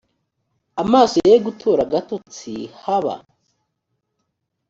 amaso ye gutora agatotsi haba